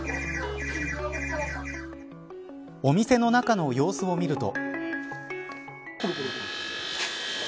お店の中の様子を見ると。